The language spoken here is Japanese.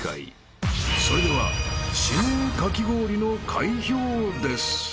［それでは指名かき氷の開票です］